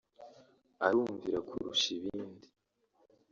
arumvira kurusha ibindi